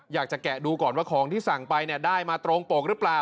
แกะดูก่อนว่าของที่สั่งไปได้มาตรงปกหรือเปล่า